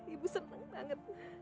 ibu seneng banget